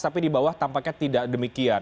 tapi di bawah tampaknya tidak demikian